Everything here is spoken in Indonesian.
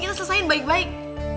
kita selesain baik baik